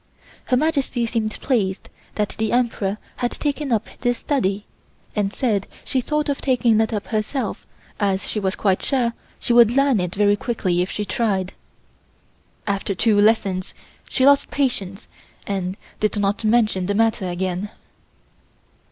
Her Majesty seemed pleased that the Emperor had taken up this study, and said she thought of taking it up herself as she was quite sure she would learn it very quickly if she tried. After two lessons she lost patience, and did not mention the matter again.